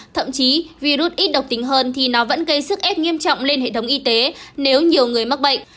thậm chí virus ít độc tính hơn thì nó vẫn gây sức ép nghiêm trọng lên hệ thống y tế nếu nhiều người mắc bệnh